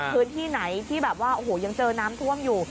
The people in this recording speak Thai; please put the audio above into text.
พื้นที่ไหนที่แบบว่าโอ้โหยังเจอน้ำท่วมอยู่